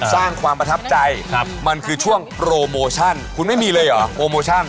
สร้างความประทับใจมันคือช่วงโปรโมชั่นคุณไม่มีเลยเหรอโปรโมชั่น